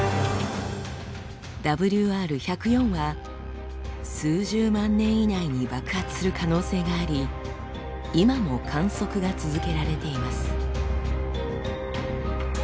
ＷＲ１０４は数十万年以内に爆発する可能性があり今も観測が続けられています。